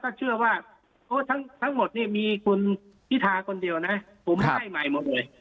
จะเชื่อว่าทั้งหมดนี้มีคุณพิธาคนเดียวนะตัวนี้ไหม